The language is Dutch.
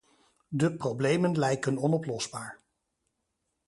De problemen lijken onoplosbaar.